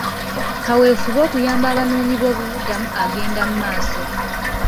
Kaweefube okuyamba abanoonyiboobubuddamu agenda maaso.